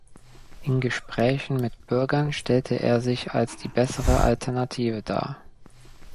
In Gesprächen mit Bürgern stellte er sich als die bessere Alternative dar.